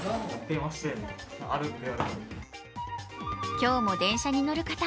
今日も電車に乗る方